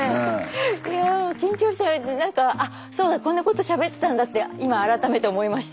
いや緊張してあっそうだこんなことしゃべったんだって今改めて思いました。